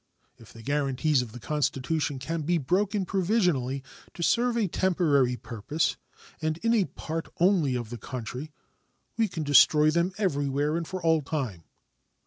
If the guaranties of the Constitution can be broken provisionally to serve a temporary purpose, and in a part only of the country, we can destroy them everywhere and for all time.